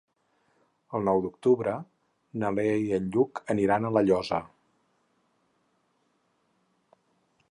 El nou d'octubre na Lea i en Lluc aniran a La Llosa.